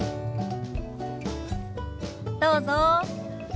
どうぞ。